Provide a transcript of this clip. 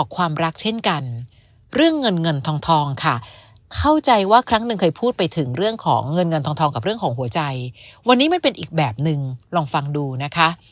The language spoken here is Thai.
ก็คงต้องดูนะคะ